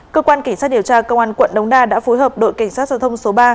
cơ quan cảnh sát điều tra công an quận đống đa đã phối hợp đội cảnh sát giao thông số ba